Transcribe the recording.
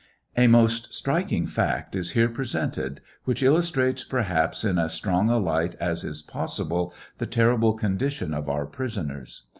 A most striking fact is here presented, which illustrates perhaps in as stron a light as is possible the terrible condition of our prisoners.